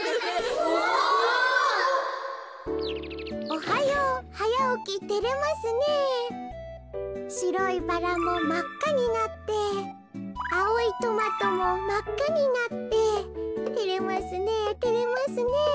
「おはようはやおきてれますねえしろいバラもまっかになってあおいトマトもまっかになっててれますねえてれますねえ